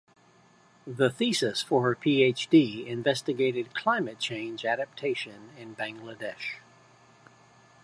The thesis for her PhD investigated climate change adaptation in Bangladesh.